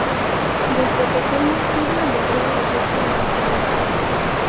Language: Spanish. Desde pequeña tuvo el deseo de ser comunicadora.